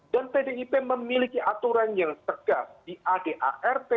dan pdip memiliki aturan yang tegas di adart